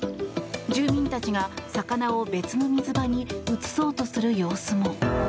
住民たちが、魚を別の水場に移そうとする様子も。